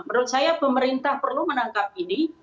menurut saya pemerintah perlu menangkap ini